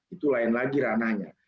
itu lain lagi ranahnya